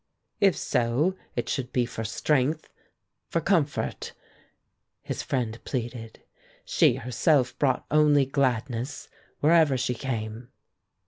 "If so, it should be for strength, for comfort," his friend pleaded. "She herself brought only gladness wherever she came."